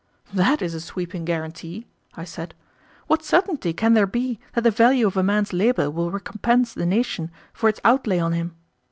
"That is a sweeping guarantee!" I said. "What certainty can there be that the value of a man's labor will recompense the nation for its outlay on him?